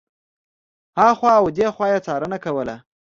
هخوا او دېخوا یې څارنه کوله.